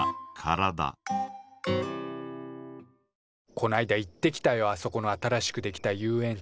こないだ行ってきたよあそこの新しくできた遊園地。